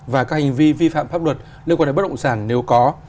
và các hành vi vi phạm pháp luật liên quan đến bất động sản nếu có